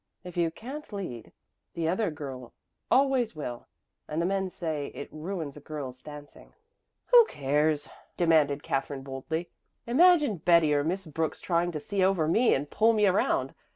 If you can't lead, the other girl always will; and the men say it ruins a girl's dancing." "Who cares?" demanded Katherine boldly. "Imagine Betty or Miss Brooks trying to see over me and pull me around!